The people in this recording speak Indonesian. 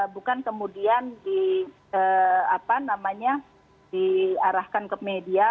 bukan kemudian diarahkan ke media